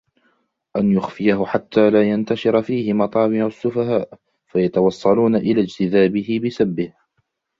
أَنْ يُخْفِيَهُ حَتَّى لَا يَنْتَشِرَ فِيهِ مَطَامِعُ السُّفَهَاءِ فَيَتَوَصَّلُونَ إلَى اجْتِذَابِهِ بِسَبِّهِ